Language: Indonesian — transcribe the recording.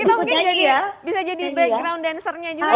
atau kita mungkin bisa jadi background dancernya juga